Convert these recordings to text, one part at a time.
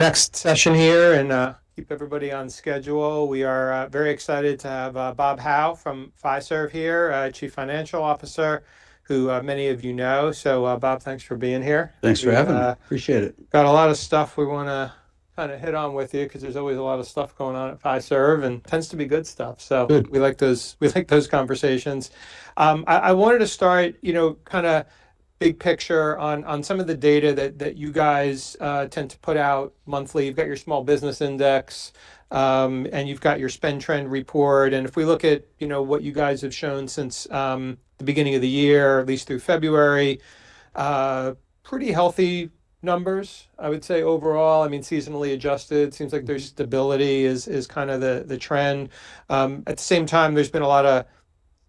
Next session here, and keep everybody on schedule. We are very excited to have Bob Hau from Fiserv here, Chief Financial Officer, who many of you know. Bob, thanks for being here. Thanks for having me. Appreciate it. Got a lot of stuff we want to kind of hit on with you because there's always a lot of stuff going on at Fiserv, and tends to be good stuff. Good. We like those conversations. I wanted to start, you know, kind of big picture on some of the data that you guys tend to put out monthly. You've got your Small Business Index, and you've got your SpendTrend Report. If we look at what you guys have shown since the beginning of the year, at least through February, pretty healthy numbers, I would say overall. I mean, seasonally adjusted, it seems like there's stability is kind of the trend. At the same time, there's been a lot of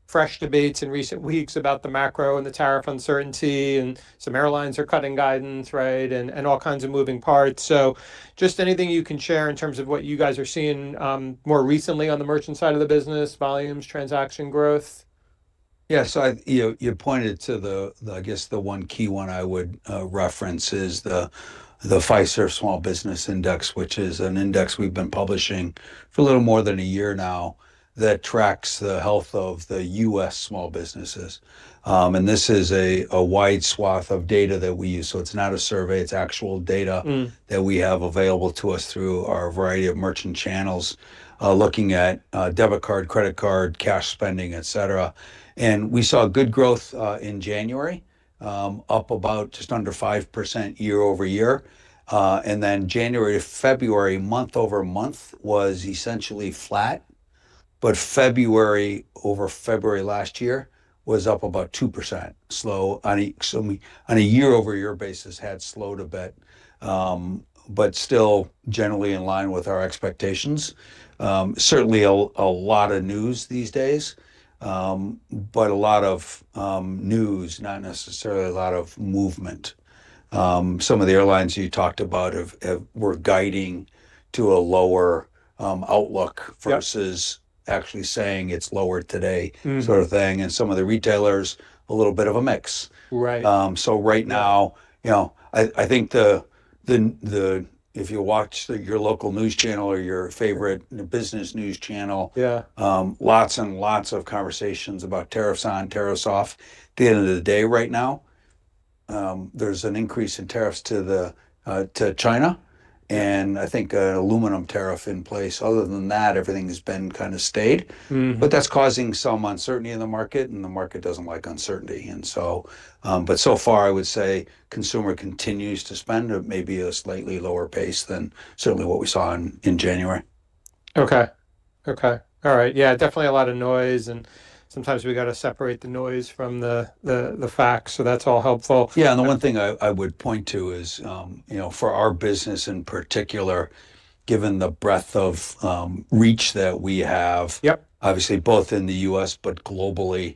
fresh debates in recent weeks about the macro and the tariff uncertainty, and some airlines are cutting guidance, right? All kinds of moving parts. Just anything you can share in terms of what you guys are seeing more recently on the merchant side of the business, volumes, transaction growth? Yeah. You pointed to the, I guess, the one key one I would reference is the Fiserv Small Business Index, which is an index we've been publishing for a little more than a year now that tracks the health of the U.S. small businesses. This is a wide swath of data that we use. It's not a survey. It's actual data that we have available to us through our variety of merchant channels looking at debit card, credit card, cash spending, etc. We saw good growth in January, up about just under 5% year over year. January to February, month over month, was essentially flat. February over February last year was up about 2%. Slow, on a year over year basis, had slowed a bit, but still generally in line with our expectations. Certainly a lot of news these days, but a lot of news, not necessarily a lot of movement. Some of the airlines you talked about were guiding to a lower outlook versus actually saying it's lower today, sort of thing. And some of the retailers, a little bit of a mix. Right. Right now, you know, I think if you watch your local news channel or your favorite business news channel, lots and lots of conversations about tariffs on, tariffs off. At the end of the day, right now, there's an increase in tariffs to China, and I think an aluminum tariff in place. Other than that, everything has been kind of stayed. That's causing some uncertainty in the market, and the market doesn't like uncertainty. So far, I would say consumer continues to spend at maybe a slightly lower pace than certainly what we saw in January. Okay. Okay. All right. Yeah, definitely a lot of noise. Sometimes we got to separate the noise from the facts. That is all helpful. Yeah. The one thing I would point to is, you know, for our business in particular, given the breadth of reach that we have, obviously both in the U.S., but globally,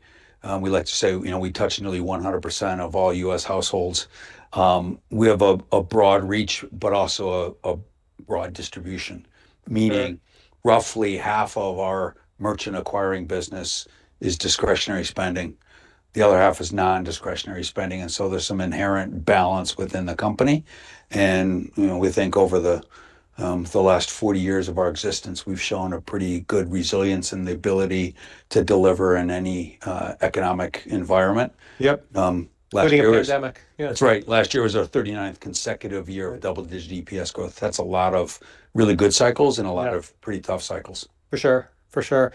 we like to say, you know, we touch nearly 100% of all U.S. households. We have a broad reach, but also a broad distribution, meaning roughly half of our merchant acquiring business is discretionary spending. The other half is non-discretionary spending. There is some inherent balance within the company. We think over the last 40 years of our existence, we've shown a pretty good resilience and the ability to deliver in any economic environment. Yep. Last year was. The pandemic. That's right. Last year was our 39th consecutive year of double-digit EPS growth. That's a lot of really good cycles and a lot of pretty tough cycles. For sure. For sure.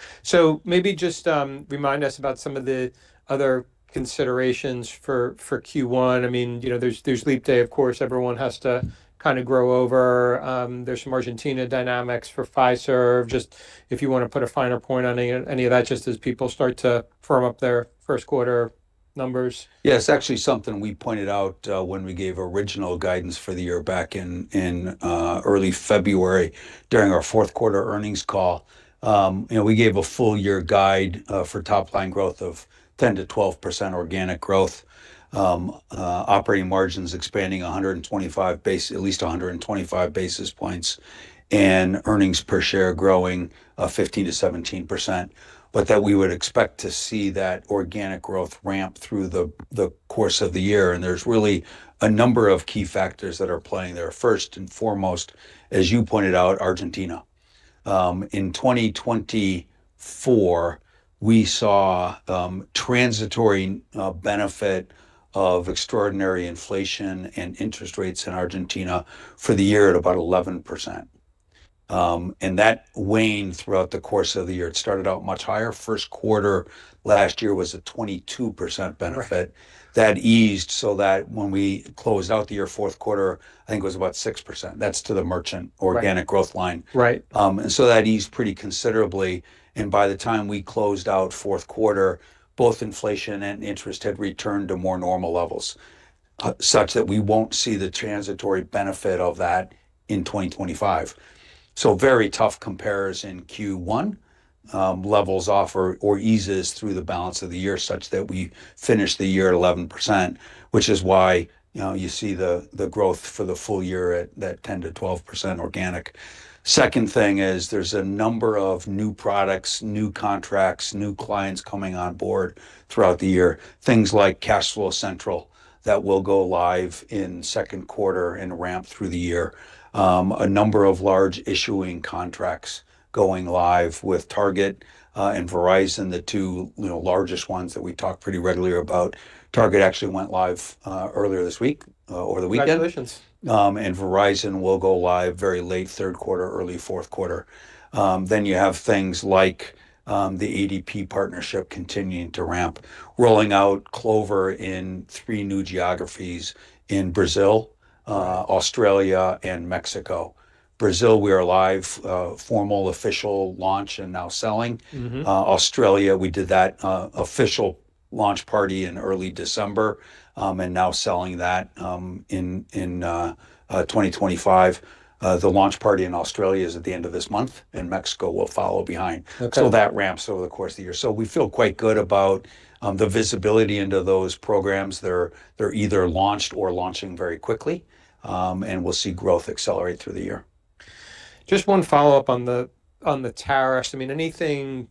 Maybe just remind us about some of the other considerations for Q1. I mean, you know, there is leap day, of course. Everyone has to kind of grow over. There are some Argentina dynamics for Fiserv. Just if you want to put a finer point on any of that, just as people start to firm up their first quarter numbers. Yeah. It's actually something we pointed out when we gave original guidance for the year back in early February during our fourth quarter earnings call. You know, we gave a full year guide for top line growth of 10-12% organic growth, operating margins expanding at least 125 basis points, and earnings per share growing 15-17%. That we would expect to see that organic growth ramp through the course of the year. There is really a number of key factors that are playing there. First and foremost, as you pointed out, Argentina. In 2024, we saw transitory benefit of extraordinary inflation and interest rates in Argentina for the year at about 11%. That waned throughout the course of the year. It started out much higher. First quarter last year was a 22% benefit. That eased so that when we closed out the year fourth quarter, I think it was about 6%. That's to the merchant organic growth line. Right. That eased pretty considerably. By the time we closed out fourth quarter, both inflation and interest had returned to more normal levels such that we will not see the transitory benefit of that in 2025. Very tough comparison. Q1 levels off or eases through the balance of the year such that we finish the year at 11%, which is why you see the growth for the full year at that 10-12% organic. Second thing is there is a number of new products, new contracts, new clients coming on board throughout the year. Things like CashFlow Central that will go live in second quarter and ramp through the year. A number of large issuing contracts going live with Target and Verizon, the two largest ones that we talk pretty regularly about. Target actually went live earlier this week over the weekend. Congratulations. Verizon will go live very late third quarter, early fourth quarter. You have things like the ADP partnership continuing to ramp, rolling out Clover in three new geographies in Brazil, Australia, and Mexico. Brazil, we are live, formal official launch and now selling. Australia, we did that official launch party in early December and now selling that in 2025. The launch party in Australia is at the end of this month, and Mexico will follow behind. That ramps over the course of the year. We feel quite good about the visibility into those programs. They are either launched or launching very quickly, and we will see growth accelerate through the year. Just one follow-up on the tariffs. I mean, anything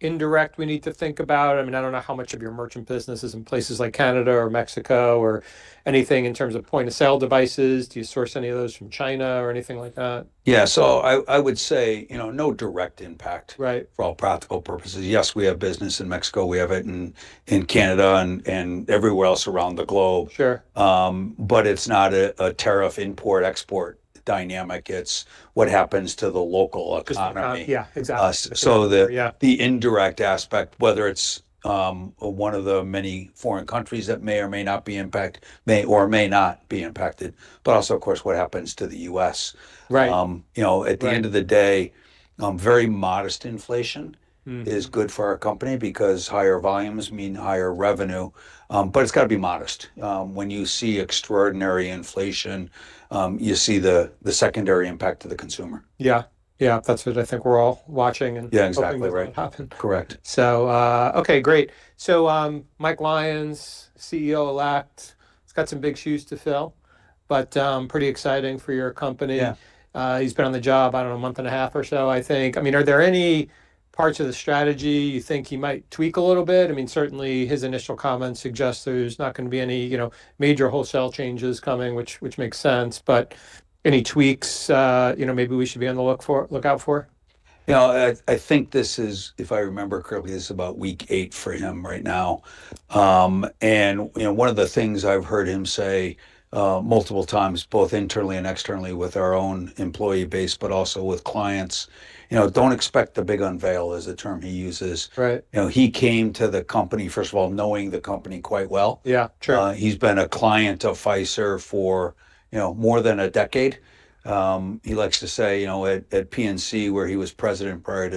indirect we need to think about? I mean, I don't know how much of your merchant business is in places like Canada or Mexico or anything in terms of point of sale devices. Do you source any of those from China or anything like that? Yeah. So I would say, you know, no direct impact for all practical purposes. Yes, we have business in Mexico. We have it in Canada and everywhere else around the globe. Sure. It's not a tariff import-export dynamic. It's what happens to the local economy. Yeah. Exactly. The indirect aspect, whether it's one of the many foreign countries that may or may not be impacted or may not be impacted, but also, of course, what happens to the U.S. Right. You know, at the end of the day, very modest inflation is good for our company because higher volumes mean higher revenue. However, it's got to be modest. When you see extraordinary inflation, you see the secondary impact to the consumer. Yeah. Yeah. That's what I think we're all watching and probably what happened. Yeah. Exactly right. Correct. Okay, great. Mike Lyons, CEO elect. He's got some big shoes to fill, but pretty exciting for your company. He's been on the job, I don't know, a month and a half or so, I think. I mean, are there any parts of the strategy you think he might tweak a little bit? I mean, certainly his initial comments suggest there's not going to be any, you know, major wholesale changes coming, which makes sense. Any tweaks, you know, maybe we should be on the lookout for? Yeah. I think this is, if I remember correctly, this is about week eight for him right now. You know, one of the things I've heard him say multiple times, both internally and externally with our own employee base, but also with clients, you know, don't expect the big unveil is the term he uses. Right. You know, he came to the company, first of all, knowing the company quite well. Yeah. Sure. He's been a client of Fiserv for, you know, more than a decade. He likes to say, you know, at PNC, where he was president prior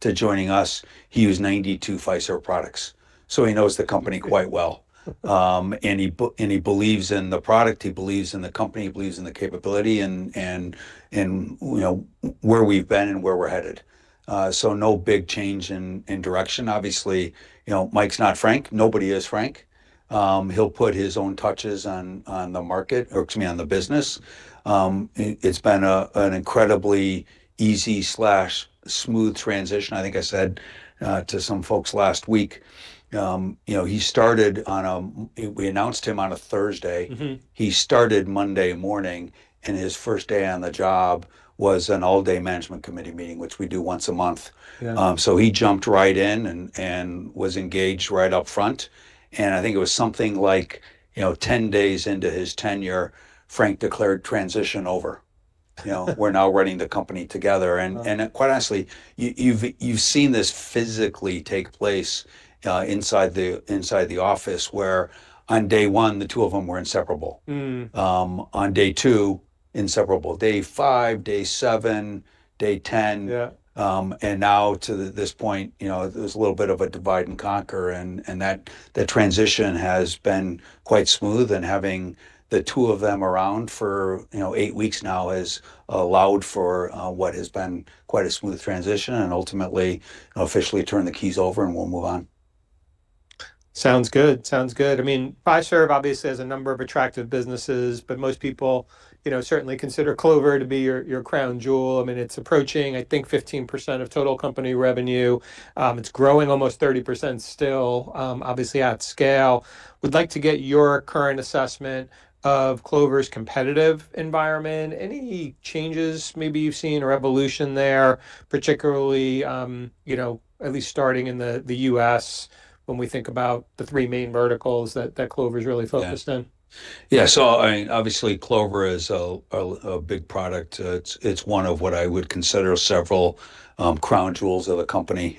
to joining us, he used 92 Fiserv products. So he knows the company quite well. And he believes in the product. He believes in the company. He believes in the capability and, you know, where we've been and where we're headed. No big change in direction. Obviously, you know, Mike's not Frank. Nobody is Frank. He'll put his own touches on the market, or excuse me, on the business. It's been an incredibly easy/smooth transition. I think I said to some folks last week, you know, he started on a, we announced him on a Thursday. He started Monday morning, and his first day on the job was an all-day management committee meeting, which we do once a month. He jumped right in and was engaged right up front. I think it was something like, you know, 10 days into his tenure, Frank declared transition over. You know, we're now running the company together. Quite honestly, you've seen this physically take place inside the office where on day one, the two of them were inseparable. On day two, inseparable. Day five, day seven, day ten. Yeah. To this point, you know, there's a little bit of a divide and conquer. That transition has been quite smooth. Having the two of them around for, you know, eight weeks now has allowed for what has been quite a smooth transition and ultimately, you know, officially turn the keys over and we'll move on. Sounds good. Sounds good. I mean, Fiserv obviously has a number of attractive businesses, but most people, you know, certainly consider Clover to be your crown jewel. I mean, it's approaching, I think, 15% of total company revenue. It's growing almost 30% still, obviously at scale. We'd like to get your current assessment of Clover's competitive environment. Any changes maybe you've seen or evolution there, particularly, you know, at least starting in the U.S. when we think about the three main verticals that Clover's really focused on? Yeah. Yeah. I mean, obviously, Clover is a big product. It's one of what I would consider several crown jewels of a company.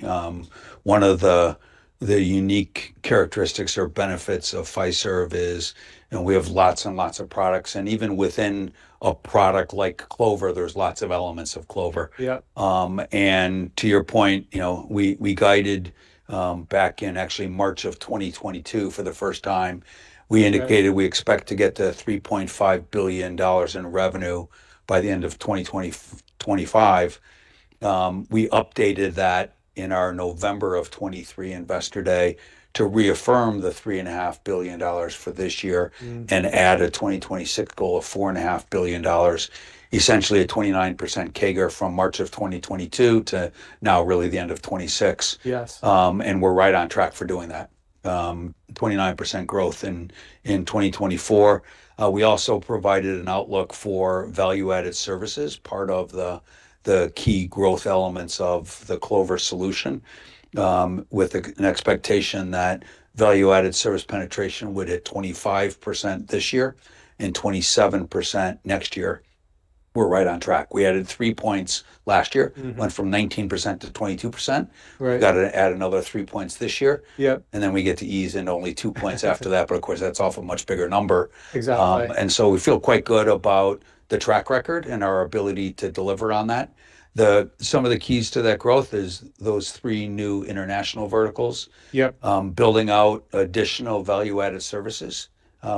One of the unique characteristics or benefits of Fiserv is, you know, we have lots and lots of products. And even within a product like Clover, there's lots of elements of Clover. Yeah. To your point, you know, we guided back in actually March of 2022 for the first time, we indicated we expect to get to $3.5 billion in revenue by the end of 2025. We updated that in our November of 2023 Investor Day to reaffirm the $3.5 billion for this year and add a 2026 goal of $4.5 billion, essentially a 29% CAGR from March of 2022 to now really the end of 2026. Yes. We're right on track for doing that. 29% growth in 2024. We also provided an outlook for value-added services, part of the key growth elements of the Clover solution, with an expectation that value-added service penetration would hit 25% this year and 27% next year. We're right on track. We added three percentage points last year, went from 19% to 22%, got to add another three percentage points this year. Yep. We get to ease into only two points after that. Of course, that's off a much bigger number. Exactly. We feel quite good about the track record and our ability to deliver on that. Some of the keys to that growth is those three new international verticals. Yep. Building out additional value-added services.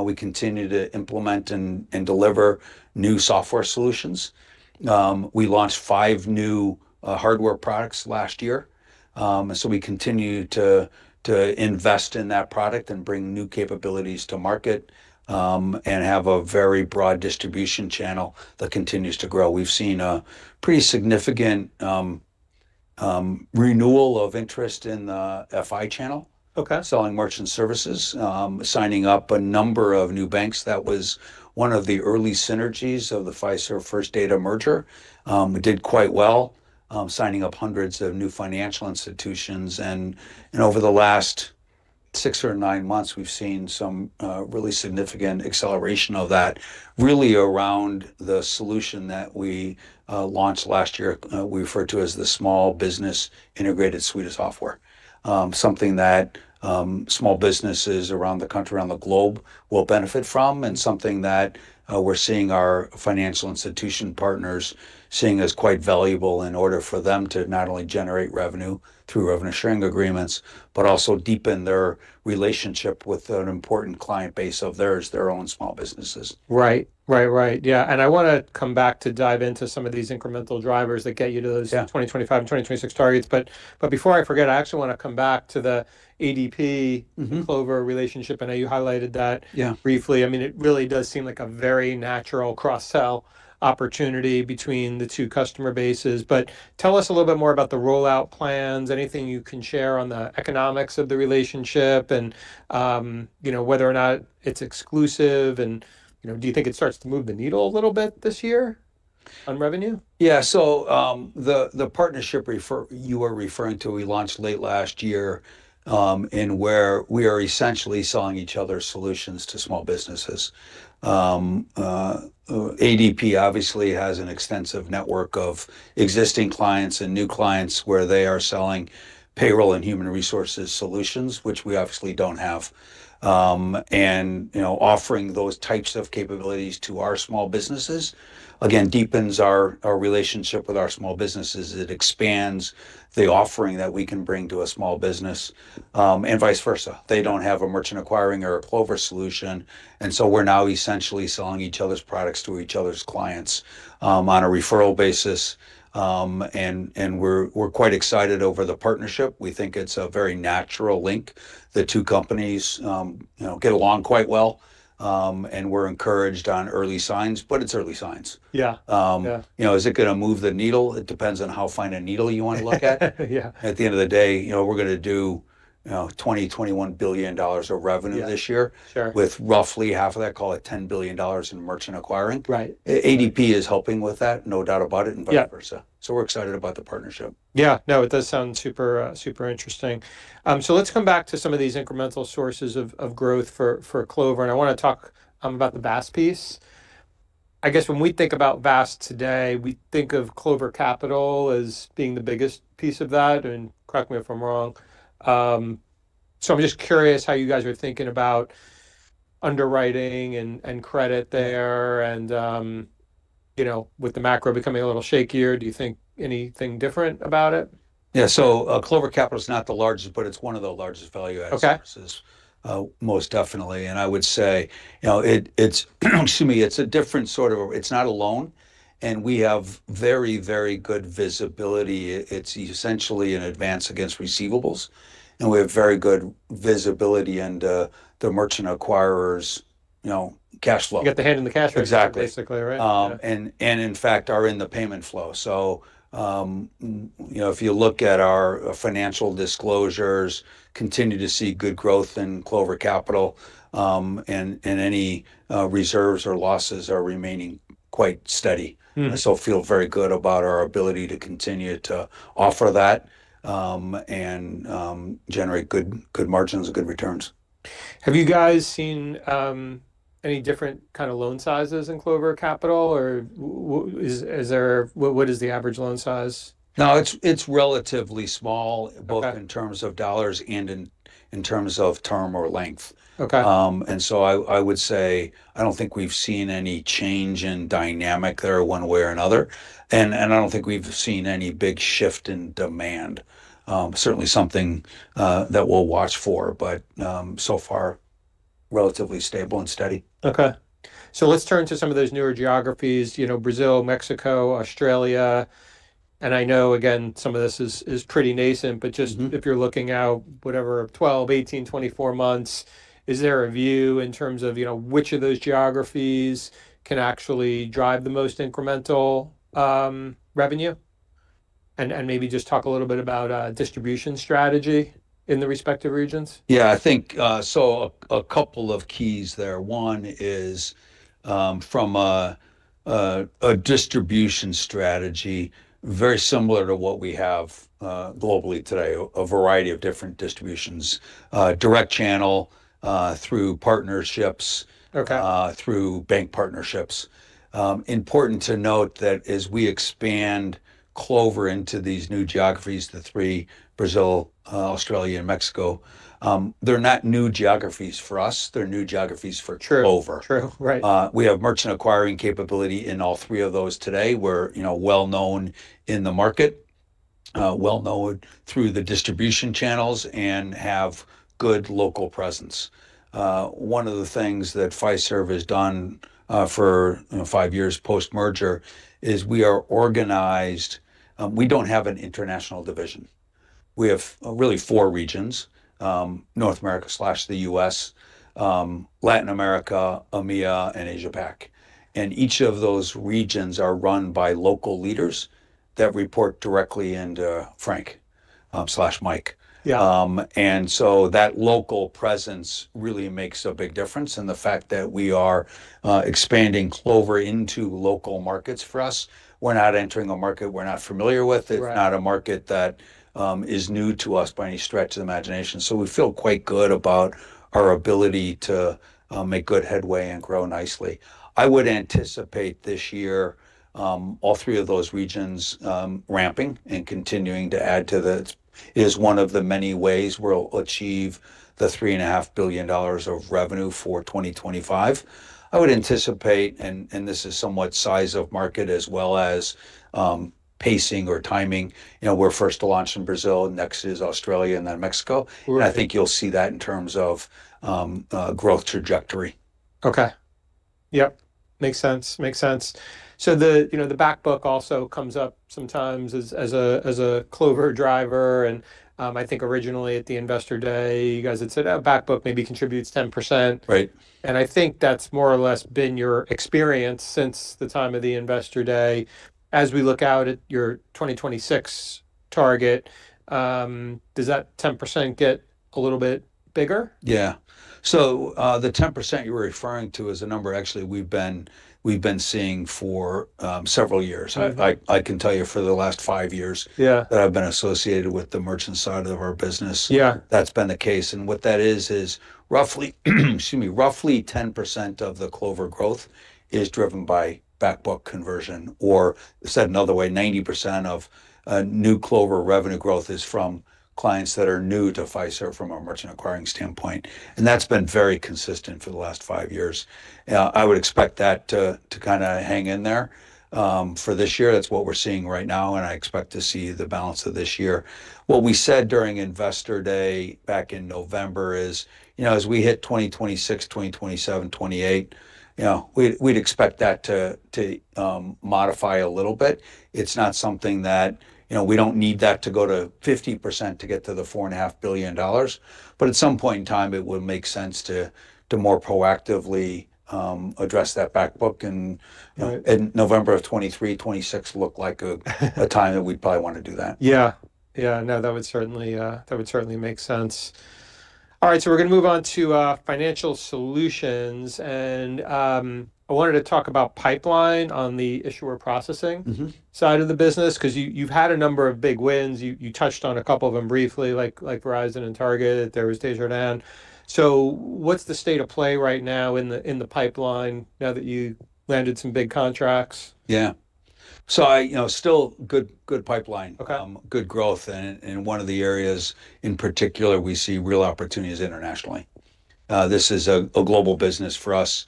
We continue to implement and deliver new software solutions. We launched five new hardware products last year. We continue to invest in that product and bring new capabilities to market and have a very broad distribution channel that continues to grow. We've seen a pretty significant renewal of interest in the FI channel. Okay. Selling merchant services, signing up a number of new banks. That was one of the early synergies of the Fiserv First Data merger. We did quite well, signing up hundreds of new financial institutions. Over the last six or nine months, we've seen some really significant acceleration of that, really around the solution that we launched last year, we refer to as the Small Business Integrated Suite of software. Something that small businesses around the country, around the globe, will benefit from and something that we're seeing our financial institution partners seeing as quite valuable in order for them to not only generate revenue through revenue-sharing agreements, but also deepen their relationship with an important client base of theirs, their own small businesses. Right. Right. Right. Yeah. I want to come back to dive into some of these incremental drivers that get you to those 2025 and 2026 targets. Before I forget, I actually want to come back to the ADP-Clover relationship. I know you highlighted that briefly. I mean, it really does seem like a very natural cross-sell opportunity between the two customer bases. Tell us a little bit more about the rollout plans, anything you can share on the economics of the relationship and, you know, whether or not it's exclusive. You know, do you think it starts to move the needle a little bit this year on revenue? Yeah. The partnership you were referring to, we launched late last year in where we are essentially selling each other's solutions to small businesses. ADP obviously has an extensive network of existing clients and new clients where they are selling payroll and human resources solutions, which we obviously don't have. And, you know, offering those types of capabilities to our small businesses, again, deepens our relationship with our small businesses. It expands the offering that we can bring to a small business and vice versa. They don't have a merchant acquiring or a Clover solution. We are now essentially selling each other's products to each other's clients on a referral basis. We're quite excited over the partnership. We think it's a very natural link. The two companies, you know, get along quite well. We're encouraged on early signs, but it's early signs. Yeah. Yeah. You know, is it going to move the needle? It depends on how fine a needle you want to look at. Yeah. At the end of the day, you know, we're going to do, you know, $20 billion-$21 billion of revenue this year with roughly half of that, call it $10 billion in merchant acquiring. Right. ADP is helping with that, no doubt about it, and vice versa. Yeah. We're excited about the partnership. Yeah. No, it does sound super, super interesting. Let's come back to some of these incremental sources of growth for Clover. I want to talk about the VAS piece. I guess when we think about VAS today, we think of Clover Capital as being the biggest piece of that. Correct me if I'm wrong. I'm just curious how you guys are thinking about underwriting and credit there. You know, with the macro becoming a little shakier, do you think anything different about it? Yeah. Clover Capital is not the largest, but it's one of the largest value-added services, most definitely. I would say, you know, it's, excuse me, it's a different sort of, it's not a loan. We have very, very good visibility. It's essentially an advance against receivables. We have very good visibility into the merchant acquirer's, you know, cash flow. You got the hand in the cash register basically, right? Exactly. In fact, are in the payment flow. You know, if you look at our financial disclosures, continue to see good growth in Clover Capital. Any reserves or losses are remaining quite steady. I still feel very good about our ability to continue to offer that and generate good margins and good returns. Have you guys seen any different kind of loan sizes in Clover Capital? Or is there, what is the average loan size? No, it's relatively small, both in terms of dollars and in terms of term or length. Okay. I would say, I don't think we've seen any change in dynamic there one way or another. I don't think we've seen any big shift in demand. Certainly something that we'll watch for. So far, relatively stable and steady. Okay. Let's turn to some of those newer geographies, you know, Brazil, Mexico, Australia. I know, again, some of this is pretty nascent, but just if you're looking out, whatever, 12, 18, 24 months, is there a view in terms of, you know, which of those geographies can actually drive the most incremental revenue? Maybe just talk a little bit about distribution strategy in the respective regions. Yeah. I think, so a couple of keys there. One is from a distribution strategy, very similar to what we have globally today, a variety of different distributions, direct channel through partnerships, through bank partnerships. Important to note that as we expand Clover into these new geographies, the three, Brazil, Australia, and Mexico, they're not new geographies for us. They're new geographies for Clover. Sure. True. Right. We have merchant acquiring capability in all three of those today. We're, you know, well known in the market, well known through the distribution channels and have good local presence. One of the things that Fiserv has done for, you know, five years post-merger is we are organized, we don't have an international division. We have really four regions, North America slash the U.S., Latin America, EMEA, and Asia-Pac. Each of those regions are run by local leaders that report directly into Frank slash Mike. Yeah. That local presence really makes a big difference. The fact that we are expanding Clover into local markets for us, we're not entering a market we're not familiar with. It's not a market that is new to us by any stretch of the imagination. We feel quite good about our ability to make good headway and grow nicely. I would anticipate this year all three of those regions ramping and continuing to add to the, is one of the many ways we'll achieve the $3.5 billion of revenue for 2025. I would anticipate, and this is somewhat size of market as well as pacing or timing, you know, we're first to launch in Brazil, next is Australia, and then Mexico. I think you'll see that in terms of growth trajectory. Okay. Yep. Makes sense. Makes sense. The, you know, the backbook also comes up sometimes as a Clover driver. I think originally at the Investor Day, you guys had said, oh, backbook maybe contributes 10%. Right. I think that's more or less been your experience since the time of the Investor Day. As we look out at your 2026 target, does that 10% get a little bit bigger? Yeah. The 10% you're referring to is a number actually we've been seeing for several years. I can tell you for the last five years that I've been associated with the merchant side of our business. Yeah. That's been the case. And what that is, is roughly, excuse me, roughly 10% of the Clover growth is driven by backbook conversion. Or said another way, 90% of new Clover revenue growth is from clients that are new to Fiserv from a merchant acquiring standpoint. That's been very consistent for the last five years. I would expect that to kind of hang in there for this year. That's what we're seeing right now. I expect to see the balance of this year. What we said during Investor Day back in November is, you know, as we hit 2026, 2027, 2028, you know, we'd expect that to modify a little bit. It's not something that, you know, we don't need that to go to 50% to get to the $4.5 billion. At some point in time, it would make sense to more proactively address that backbook. You know, in November of 2023, 2026 looked like a time that we'd probably want to do that. Yeah. Yeah. No, that would certainly, that would certainly make sense. All right. We are going to move on to Financial Solutions. I wanted to talk about pipeline on the issuer processing side of the business because you've had a number of big wins. You touched on a couple of them briefly, like Verizon and Target, there was Tangerine. What's the state of play right now in the pipeline now that you landed some big contracts? Yeah. I, you know, still good pipeline, good growth. One of the areas in particular we see real opportunities internationally. This is a global business for us.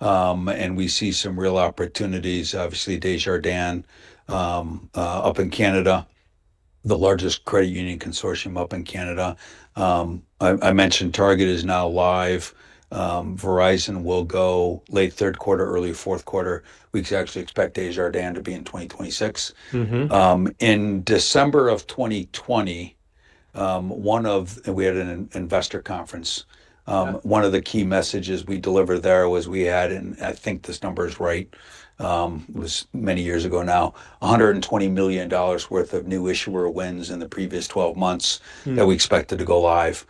We see some real opportunities, obviously Tangerine up in Canada, the largest credit union consortium up in Canada. I mentioned Target is now live. Verizon will go late third quarter, early fourth quarter. We actually expect Tangerine to be in 2026. In December of 2020, one of, and we had an investor conference, one of the key messages we delivered there was we had, and I think this number is right, it was many years ago now, $120 million worth of new issuer wins in the previous 12 months that we expected to go live.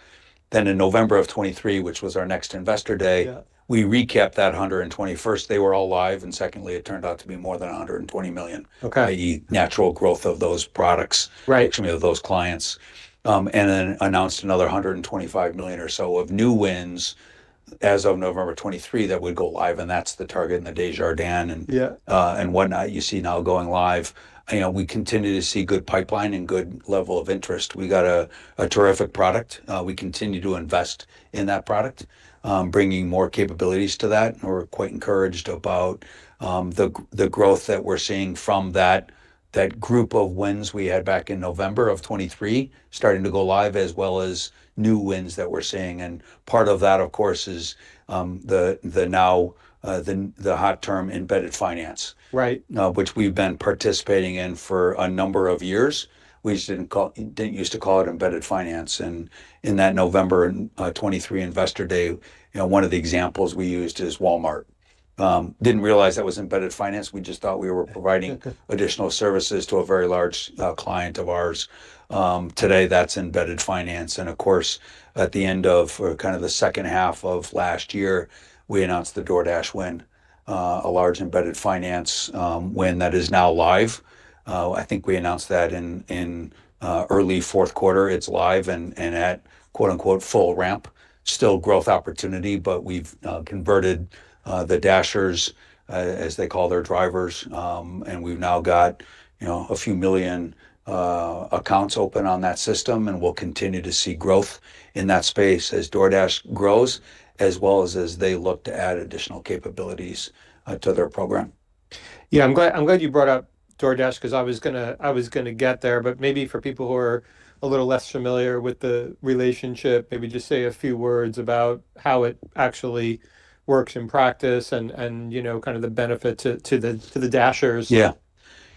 In November of 2023, which was our next Investor Day, we recapped that 121st. They were all live. Secondly, it turned out to be more than $120 million, i.e., natural growth of those products, excuse me, of those clients. Then announced another $125 million or so of new wins as of November 2023 that would go live. That is the Target and the Tangerine and whatnot you see now going live. You know, we continue to see good pipeline and good level of interest. We got a terrific product. We continue to invest in that product, bringing more capabilities to that. We are quite encouraged about the growth that we are seeing from that group of wins we had back in November of 2023 starting to go live, as well as new wins that we are seeing. Part of that, of course, is now the hot term embedded finance, which we have been participating in for a number of years. We didn't call, didn't used to call it embedded finance. In that November 2023 Investor Day, you know, one of the examples we used is Walmart. Didn't realize that was embedded finance. We just thought we were providing additional services to a very large client of ours. Today that's embedded finance. Of course, at the end of kind of the second half of last year, we announced the DoorDash win, a large embedded finance win that is now live. I think we announced that in early fourth quarter. It's live and at "full ramp." Still growth opportunity, but we've converted the dashers, as they call their drivers. We've now got, you know, a few million accounts open on that system. We'll continue to see growth in that space as DoorDash grows, as well as as they look to add additional capabilities to their program. Yeah. I'm glad you brought up DoorDash because I was going to get there. Maybe for people who are a little less familiar with the relationship, maybe just say a few words about how it actually works in practice and, you know, kind of the benefit to the dashers. Yeah.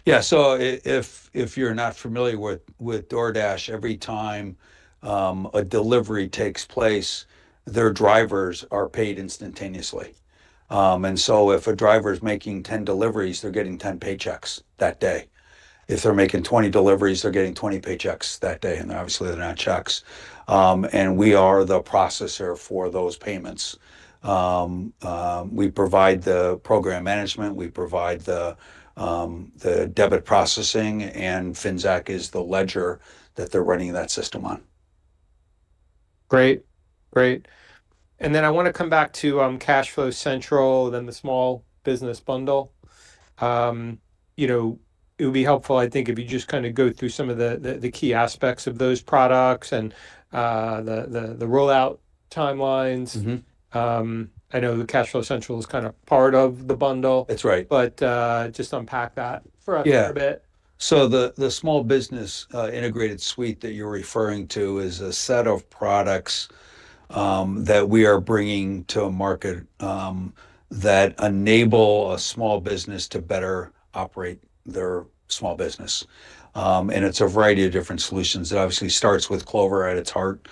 Yeah. If you're not familiar with DoorDash, every time a delivery takes place, their drivers are paid instantaneously. If a driver is making 10 deliveries, they're getting 10 paychecks that day. If they're making 20 deliveries, they're getting 20 paychecks that day. Obviously, they're not checks. We are the processor for those payments. We provide the program management. We provide the debit processing. Finxact is the ledger that they're running that system on. Great. Great. I want to come back to CashFlow Central, then the small business bundle. You know, it would be helpful, I think, if you just kind of go through some of the key aspects of those products and the rollout timelines. I know the CashFlow Central is kind of part of the bundle. That's right. Just unpack that for a bit. Yeah. The Small Business Integrated Suite that you're referring to is a set of products that we are bringing to a market that enable a small business to better operate their small business. It is a variety of different solutions. It obviously starts with Clover at its heart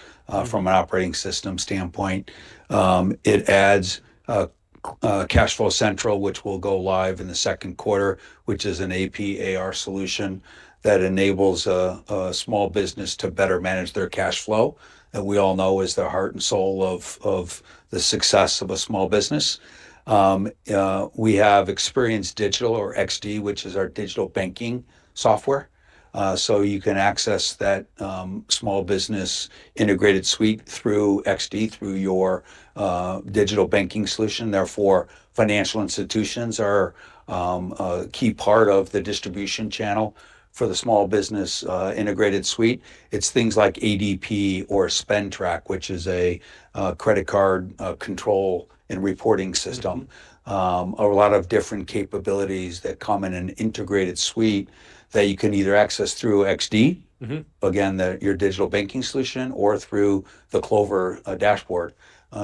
from an operating system standpoint. It adds CashFlow Central, which will go live in the second quarter, which is an AP/AR solution that enables a small business to better manage their cash flow that we all know is the heart and soul of the success of a small business. We have Experience Digital or XD, which is our digital banking software. You can access that Small Business Integrated Suite through XD, through your digital banking solution. Therefore, financial institutions are a key part of the distribution channel for the Small Business Integrated Suite. It's things like ADP or SpendTrack, which is a credit card control and reporting system. A lot of different capabilities that come in an integrated suite that you can either access through XD, again, your digital banking solution, or through the Clover dashboard,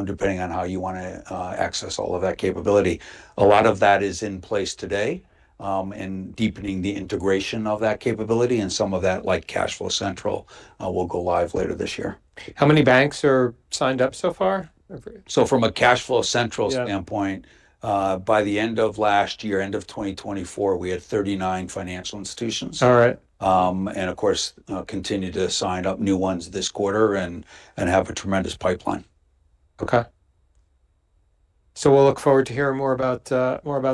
depending on how you want to access all of that capability. A lot of that is in place today and deepening the integration of that capability. Some of that, like CashFlow Central, will go live later this year. How many banks are signed up so far? From a CashFlow Central standpoint, by the end of last year, end of 2024, we had 39 financial institutions. All right. Of course, continue to sign up new ones this quarter and have a tremendous pipeline. Okay. We'll look forward to hearing more about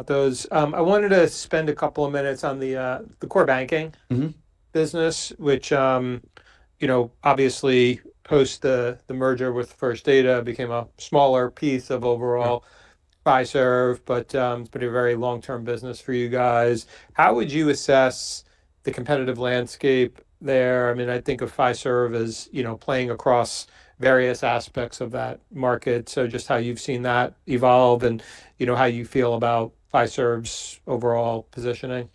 those. I wanted to spend a couple of minutes on the core banking business, which, you know, obviously post the merger with First Data, became a smaller piece of overall Fiserv, but it's been a very long-term business for you guys. How would you assess the competitive landscape there? I mean, I think of Fiserv as, you know, playing across various aspects of that market. Just how you've seen that evolve and, you know, how you feel about Fiserv's overall positioning.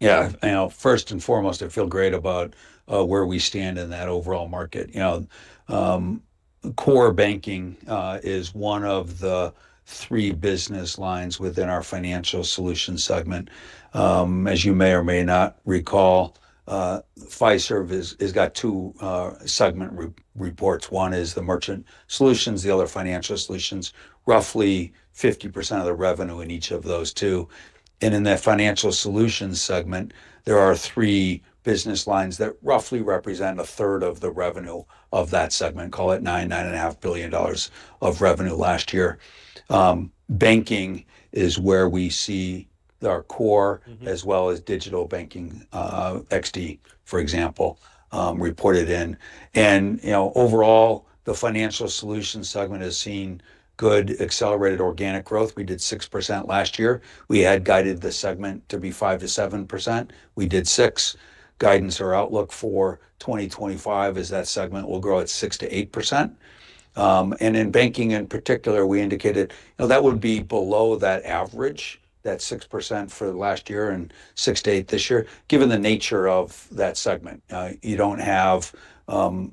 Yeah. You know, first and foremost, I feel great about where we stand in that overall market. You know, core banking is one of the three business lines within our Financial Solutions segment. As you may or may not recall, Fiserv has got two segment reports. One is the Merchant Solutions, the other Financial Solutions, roughly 50% of the revenue in each of those two. In that Financial Solutions segment, there are three business lines that roughly represent a third of the revenue of that segment, call it $9 billion-$9.5 billion of revenue last year. Banking is where we see our core, as well as digital banking, XD, for example, reported in. You know, overall, the Financial Solutions segment has seen good accelerated organic growth. We did 6% last year. We had guided the segment to be 5%-7%. We did 6%. Guidance or outlook for 2025 is that segment will grow at 6%-8%. In banking in particular, we indicated, you know, that would be below that average, that 6% for last year and 6%-8% this year, given the nature of that segment. You do not have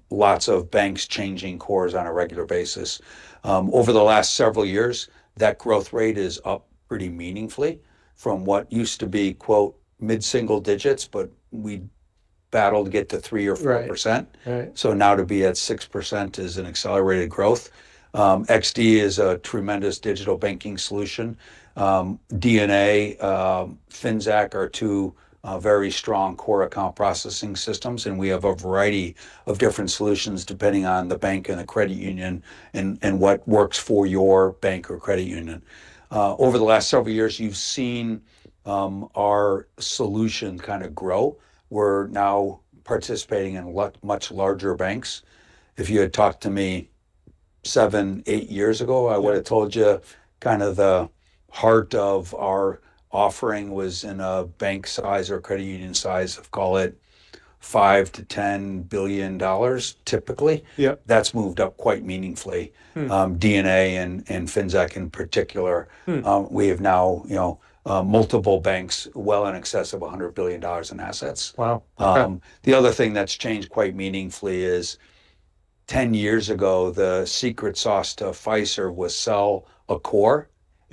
lots of banks changing cores on a regular basis. Over the last several years, that growth rate is up pretty meaningfully from what used to be "mid-single digits," but we battled to get to 3% or 4%. Now to be at 6% is an accelerated growth. XD is a tremendous digital banking solution. DNA, Finxact are two very strong core account processing systems. We have a variety of different solutions depending on the bank and the credit union and what works for your bank or credit union. Over the last several years, you have seen our solution kind of grow. We're now participating in much larger banks. If you had talked to me seven, eight years ago, I would have told you kind of the heart of our offering was in a bank size or credit union size, call it $5 billion to $10 billion typically. That's moved up quite meaningfully. DNA and Finxact in particular, we have now, you know, multiple banks well in excess of $100 billion in assets. Wow. The other thing that's changed quite meaningfully is 10 years ago, the secret sauce to Fiserv was sell a core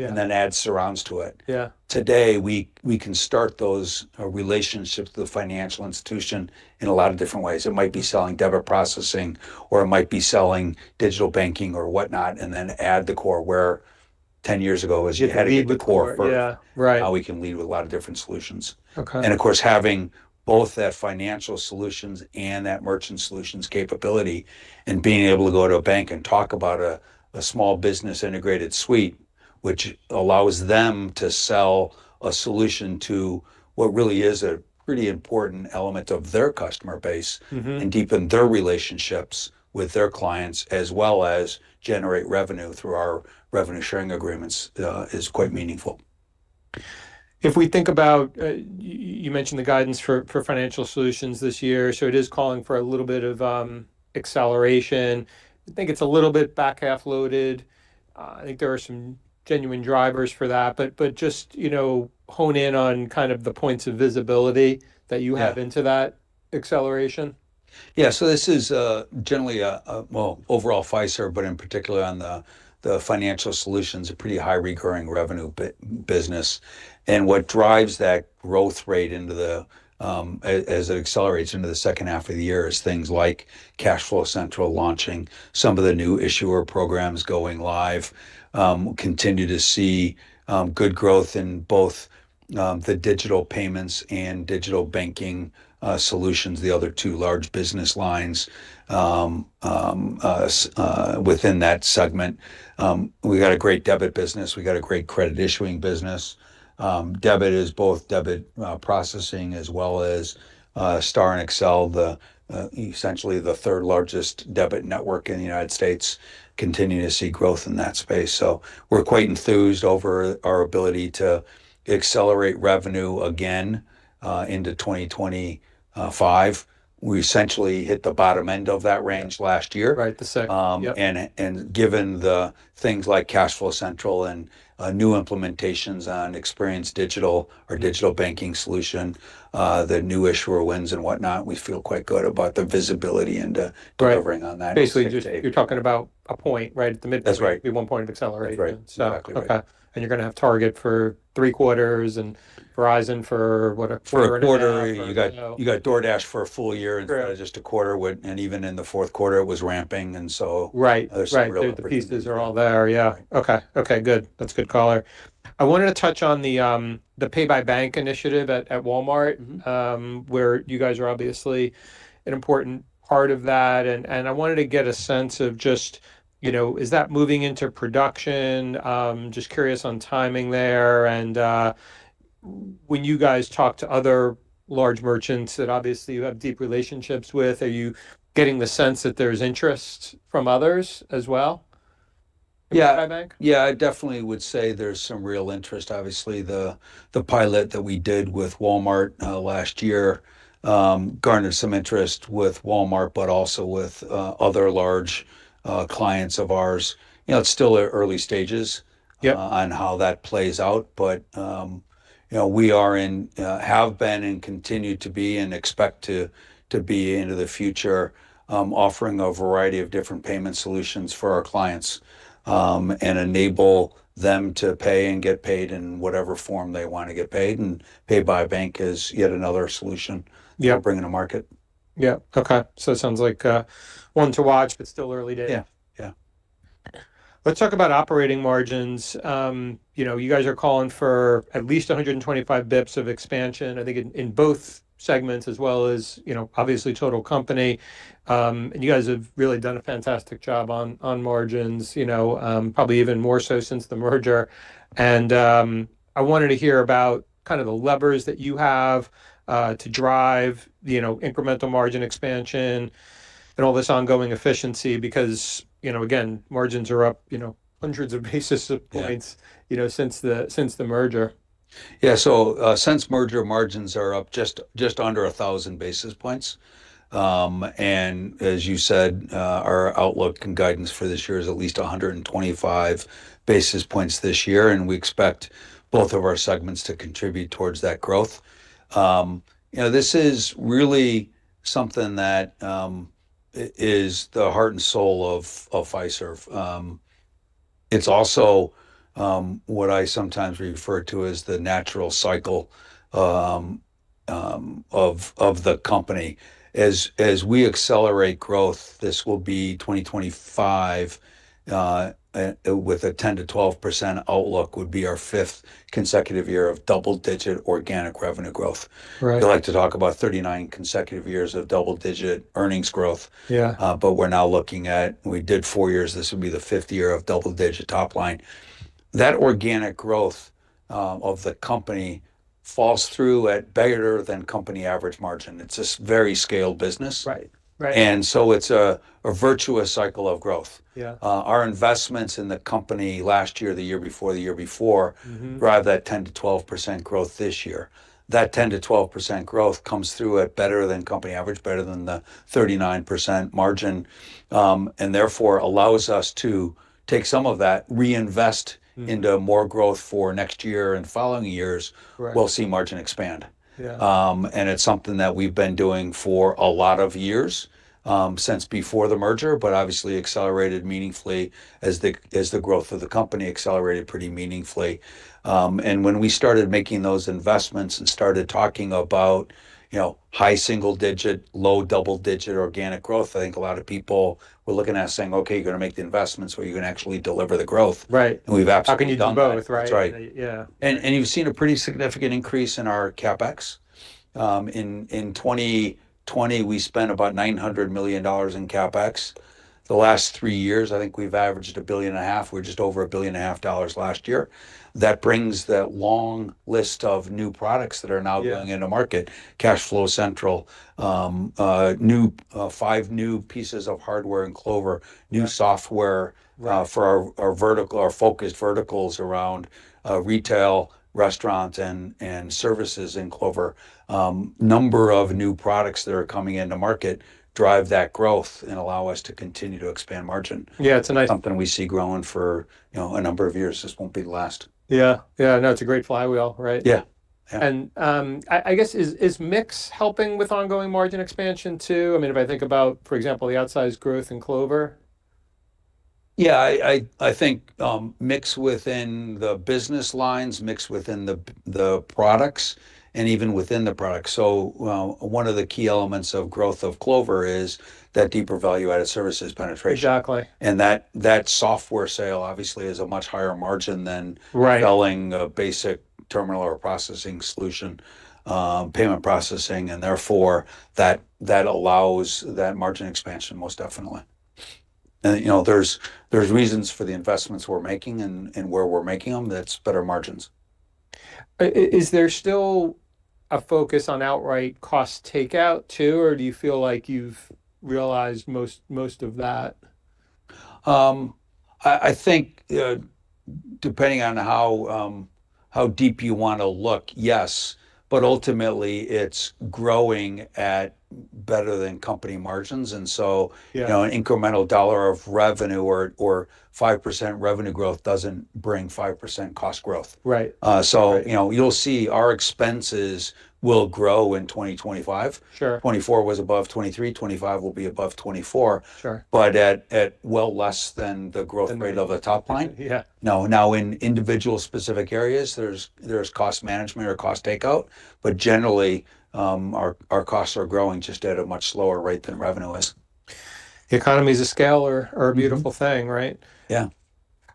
and then add surrounds to it. Yeah. Today, we can start those relationships with the financial institution in a lot of different ways. It might be selling debit processing, or it might be selling digital banking or whatnot, and then add the core where 10 years ago as you had to be the core. Yeah. Right. Now we can lead with a lot of different solutions. Of course, having both that Financial Solutions and that Merchant Solutions capability and being able to go to a bank and talk about a Small Business Integrated Suite, which allows them to sell a solution to what really is a pretty important element of their customer base and deepen their relationships with their clients, as well as generate revenue through our revenue sharing agreements, is quite meaningful. If we think about, you mentioned the guidance for Financial Solutions this year. It is calling for a little bit of acceleration. I think it's a little bit back half loaded. I think there are some genuine drivers for that. Just, you know, hone in on kind of the points of visibility that you have into that acceleration. Yeah. This is generally a, overall Fiserv, but in particular on the Financial Solutions, a pretty high recurring revenue business. What drives that growth rate as it accelerates into the second half of the year is things like CashFlow Central launching, some of the new issuer programs going live. Continue to see good growth in both the digital payments and digital banking solutions, the other two large business lines within that segment. We got a great debit business. We got a great credit issuing business. Debit is both debit processing as well as Star and Accel, essentially the third largest debit network in the United States. Continue to see growth in that space. We're quite enthused over our ability to accelerate revenue again into 2025. We essentially hit the bottom end of that range last year. Right. The second. Given the things like CashFlow Central and new implementations on Experience Digital or digital banking solution, the new issuer wins and whatnot, we feel quite good about the visibility into recovering on that. Basically, you're talking about a point right at the midpoint. That's right. It'd be one point of acceleration. That's right. Exactly. Okay. You're going to have Target for three quarters and Verizon for what? Third quarter, you got DoorDash for a full year instead of just a quarter. Even in the fourth quarter, it was ramping. There's real. Right. The pieces are all there. Yeah. Okay. Okay. Good. That's a good caller. I wanted to touch on the Pay by Bank initiative at Walmart, where you guys are obviously an important part of that. I wanted to get a sense of just, you know, is that moving into production? Just curious on timing there. When you guys talk to other large merchants that obviously you have deep relationships with, are you getting the sense that there's interest from others as well? Pay by Bank? Yeah. Yeah. I definitely would say there's some real interest. Obviously, the pilot that we did with Walmart last year garnered some interest with Walmart, but also with other large clients of ours. You know, it's still early stages on how that plays out. You know, we are in, have been and continue to be and expect to be into the future, offering a variety of different payment solutions for our clients and enable them to pay and get paid in whatever form they want to get paid. Pay by Bank is yet another solution we're bringing to market. Yeah. Okay. It sounds like one to watch, but still early days. Yeah. Yeah. Let's talk about operating margins. You know, you guys are calling for at least 125 basis points of expansion, I think, in both segments as well as, you know, obviously total company. You guys have really done a fantastic job on margins, you know, probably even more so since the merger. I wanted to hear about kind of the levers that you have to drive, you know, incremental margin expansion and all this ongoing efficiency because, you know, again, margins are up, you know, hundreds of basis points, you know, since the merger. Yeah. Since merger, margins are up just under 1,000 basis points. As you said, our outlook and guidance for this year is at least 125 basis points this year. We expect both of our segments to contribute towards that growth. You know, this is really something that is the heart and soul of Fiserv. It's also what I sometimes refer to as the natural cycle of the company. As we accelerate growth, this will be 2025 with a 10%-12% outlook, would be our fifth consecutive year of double-digit organic revenue growth. We like to talk about 39 consecutive years of double-digit earnings growth. We're now looking at, we did four years, this will be the fifth year of double-digit top line. That organic growth of the company falls through at better than company average margin. It's a very scaled business. Right. Right. It is a virtuous cycle of growth. Our investments in the company last year, the year before, the year before drive that 10%-12% growth this year. That 10%-12% growth comes through at better than company average, better than the 39% margin, and therefore allows us to take some of that, reinvest into more growth for next year and following years. We will see margin expand. It is something that we have been doing for a lot of years since before the merger, but obviously accelerated meaningfully as the growth of the company accelerated pretty meaningfully. When we started making those investments and started talking about, you know, high single-digit, low double-digit organic growth, I think a lot of people were looking at saying, "Okay, you are going to make the investments or you are going to actually deliver the growth. Right. We have absolutely done. How can you do both? Right. That's right. Yeah. You've seen a pretty significant increase in our CapEx. In 2020, we spent about $900 million in CapEx. The last three years, I think we've averaged $1.5 billion. We're just over $1.5 billion last year. That brings that long list of new products that are now going into market: CashFlow Central, five new pieces of hardware in Clover, new software for our focused verticals around retail, restaurants, and services in Clover. Number of new products that are coming into market drive that growth and allow us to continue to expand margin. Yeah. It's nice. Something we see growing for, you know, a number of years. This won't be the last. Yeah. Yeah. No, it's a great flywheel, right? Yeah. Yeah. I guess, is mix helping with ongoing margin expansion too? I mean, if I think about, for example, the outsized growth in Clover? Yeah. I think mix within the business lines, mix within the products, and even within the products. One of the key elements of growth of Clover is that deeper value-added services penetration. Exactly. That software sale obviously is a much higher margin than selling a basic terminal or processing solution, payment processing. Therefore, that allows that margin expansion most definitely. You know, there's reasons for the investments we're making and where we're making them that's better margins. Is there still a focus on outright cost takeout too, or do you feel like you've realized most of that? I think depending on how deep you want to look, yes. Ultimately, it's growing at better than company margins. And so, you know, an incremental dollar of revenue or 5% revenue growth doesn't bring 5% cost growth. Right. You know, you'll see our expenses will grow in 2025. Sure. 2024 was above 2023. 2025 will be above 2024. Sure. At well less than the growth rate of the top line. Yeah. Now, in individual specific areas, there's cost management or cost takeout. Generally, our costs are growing just at a much slower rate than revenue is. The economy's a scalar or a beautiful thing, right? Yeah.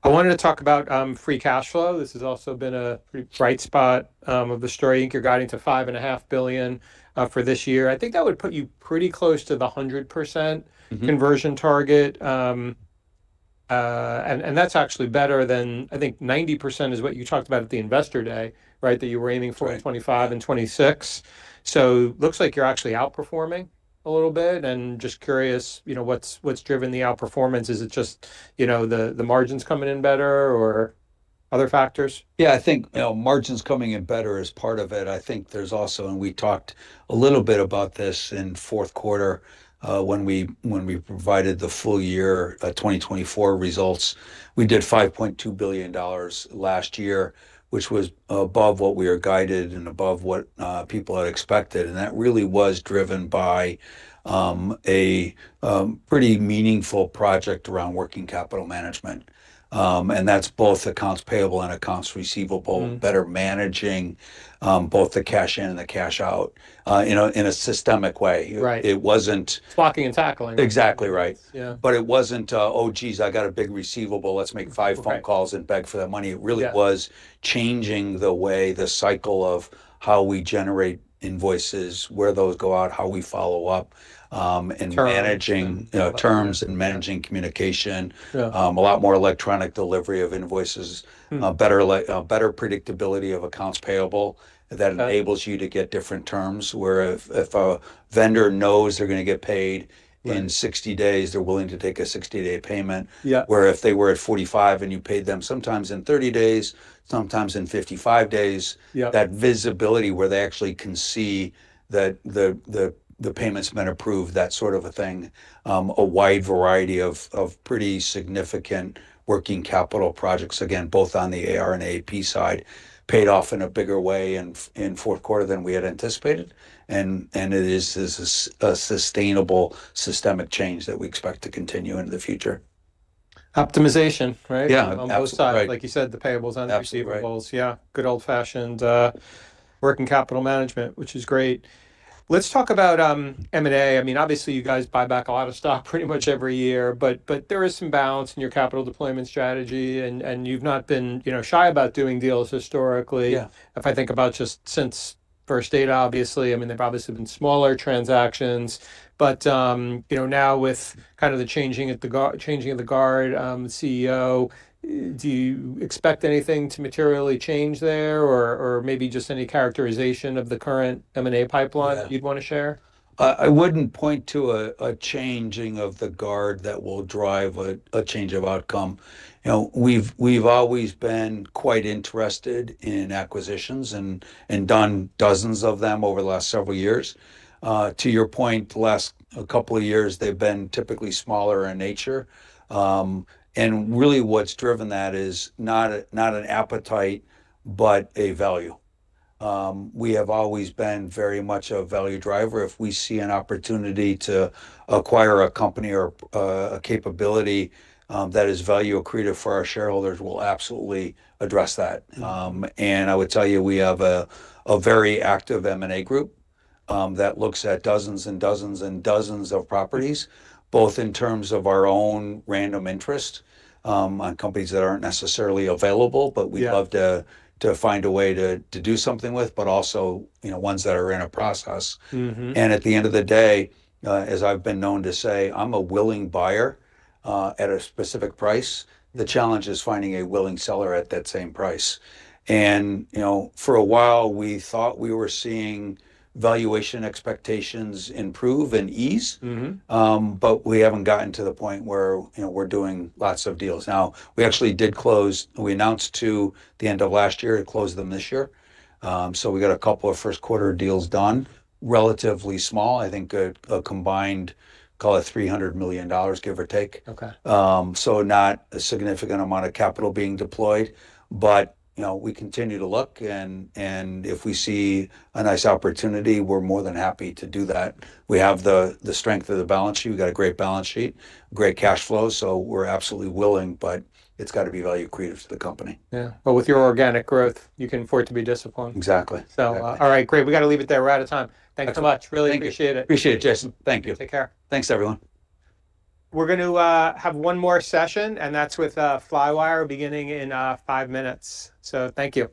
I wanted to talk about free cash flow. This has also been a pretty bright spot of the story. Anchor guiding to $5.5 billion for this year. I think that would put you pretty close to the 100% conversion target. That's actually better than, I think, 90% is what you talked about at the investor day, right, that you were aiming for in 2025 and 2026. It looks like you're actually outperforming a little bit. Just curious, you know, what's driven the outperformance? Is it just, you know, the margins coming in better or other factors? Yeah. I think, you know, margins coming in better is part of it. I think there's also, and we talked a little bit about this in fourth quarter when we provided the full year 2024 results. We did $5.2 billion last year, which was above what we were guided and above what people had expected. That really was driven by a pretty meaningful project around working capital management. That's both accounts payable and accounts receivable, better managing both the cash in and the cash out in a systemic way. Right. It wasn't. Flocking and tackling. Exactly right. Yeah. It was not, "Oh geez, I got a big receivable. Let's make five phone calls and beg for that money." It really was changing the way the cycle of how we generate invoices, where those go out, how we follow up, and managing terms and managing communication. A lot more electronic delivery of invoices, better predictability of accounts payable that enables you to get different terms. Where if a vendor knows they're going to get paid in 60 days, they're willing to take a 60-day payment. Where if they were at 45 and you paid them sometimes in 30 days, sometimes in 55 days, that visibility where they actually can see that the payment's been approved, that sort of a thing. A wide variety of pretty significant working capital projects, again, both on the AR and AP side, paid off in a bigger way in fourth quarter than we had anticipated. It is a sustainable systemic change that we expect to continue into the future. Optimization, right? Yeah. That was tied, like you said, the payables and the receivables. Absolutely. Yeah. Good old-fashioned working capital management, which is great. Let's talk about M&A. I mean, obviously, you guys buy back a lot of stock pretty much every year. There is some balance in your capital deployment strategy. You've not been, you know, shy about doing deals historically. Yeah. If I think about just since First Data, obviously, I mean, they've obviously been smaller transactions. But, you know, now with kind of the changing of the guard, CEO, do you expect anything to materially change there or maybe just any characterization of the current M&A pipeline that you'd want to share? I wouldn't point to a changing of the guard that will drive a change of outcome. You know, we've always been quite interested in acquisitions and done dozens of them over the last several years. To your point, the last couple of years, they've been typically smaller in nature. Really what's driven that is not an appetite, but a value. We have always been very much a value driver. If we see an opportunity to acquire a company or a capability that is value accretive for our shareholders, we'll absolutely address that. I would tell you, we have a very active M&A group that looks at dozens and dozens and dozens of properties, both in terms of our own random interest on companies that aren't necessarily available, but we'd love to find a way to do something with, but also, you know, ones that are in a process. At the end of the day, as I've been known to say, I'm a willing buyer at a specific price. The challenge is finding a willing seller at that same price. You know, for a while, we thought we were seeing valuation expectations improve and ease. We haven't gotten to the point where, you know, we're doing lots of deals. We actually did close, we announced to the end of last year to close them this year. We got a couple of first quarter deals done, relatively small. I think a combined, call it $300 million, give or take. Okay. Not a significant amount of capital being deployed. But, you know, we continue to look. And if we see a nice opportunity, we're more than happy to do that. We have the strength of the balance sheet. We've got a great balance sheet, great cash flow. So we're absolutely willing, but it's got to be value accretive to the company. Yeah. With your organic growth, you can afford to be disciplined. Exactly. All right, great. We got to leave it there. We're out of time. Thanks so much. Really appreciate it. Appreciate it, Jason. Thank you. Take care. Thanks, everyone. We're going to have one more session, and that's with Flywire beginning in five minutes. Thank you.